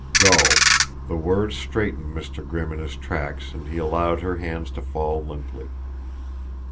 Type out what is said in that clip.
Go! The word straightened Mr. Grimm in his tracks and he allowed her hands to fall limply.